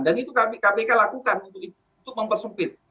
dan itu kpk lakukan untuk mempersempit